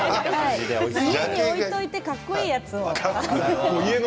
置いておいてかっこいいやつを。